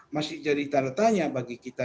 masih jadi tanda tanya bagi kita